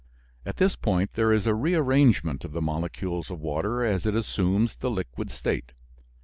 At this point there is a rearrangement of the molecules of water as it assumes the liquid state.